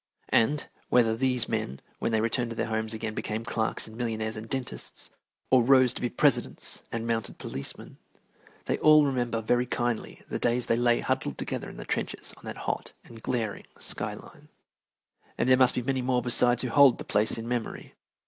And, whether these men, when they returned to their homes again, became clerks and millionaires and dentists, or rose to be presidents and mounted policemen, they all remember very kindly the days they lay huddled together in the trenches on that hot and glaring sky line. And there must be many more besides who hold the place in memory.